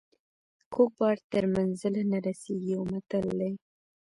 کوږ بار تر منزله نه رسیږي یو متل دی.